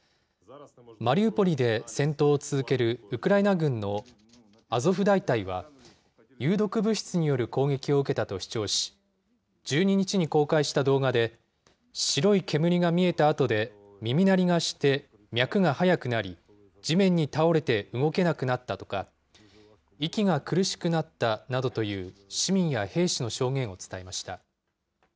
マリウポリで戦闘を続けるウクライナ軍のアゾフ大隊は、有毒物質による攻撃を受けたと主張し、１２日に公開した動画で、白い煙が見えたあとで、耳鳴りがして脈が速くなり、地面に倒れて動けなくなったとか、息が苦しくなったなどという市民や兵士の証言を伝えました。